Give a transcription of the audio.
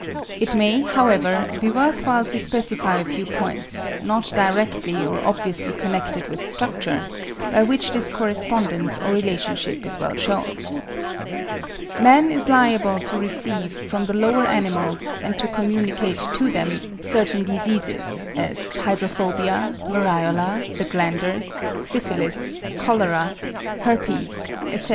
It may, however, be worth while to specify a few points, not directly or obviously connected with structure, by which this correspondence or relationship is well shewn. Man is liable to receive from the lower animals, and to communicate to them, certain diseases, as hydrophobia, variola, the glanders, syphilis, cholera, herpes, etc. (3. Dr. W.